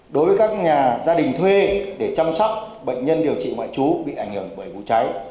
đối với các nhà gia đình thuê để chăm sóc bệnh nhân điều trị ngoại trú bị ảnh hưởng bởi vụ cháy